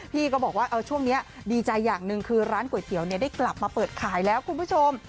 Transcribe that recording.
พี่ก็บอกว่าช่วงนี้ดีใจอย่างหนึ่งคือร้านก๋วยเตี๋ยวได้กลับมาเปิดขายแล้วคุณผู้ชม